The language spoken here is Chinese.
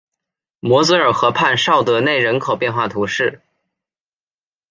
摩泽尔河畔绍德内人口变化图示